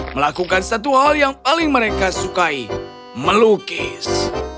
melakukan satu hal yang paling mereka sukai melukis